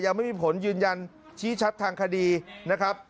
ยังไม่มีผลยืนยันชี้ชัดทางคดีนะครับ